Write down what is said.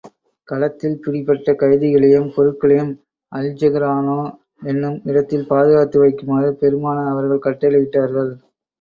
களத்தில் பிடிபட்ட கைதிகளையும், பொருட்களையும் அல்ஜிஃரானா என்னும் இடத்தில் பாதுகாத்து வைக்குமாறு பெருமானார் அவர்கள் கட்டளையிட்டார்கள்.